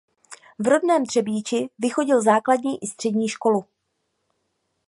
V rodné Třebíči vychodil základní i střední školu.